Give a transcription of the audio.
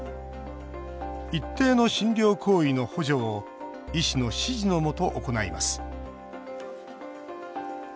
一定の診療行為の補助を医師の指示のもと行います